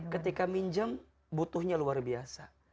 ketika minjem butuhnya luar biasa